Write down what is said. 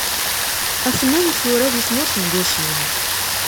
a-ten-an tura di tmurt n Gucin.